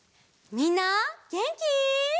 みんなげんき？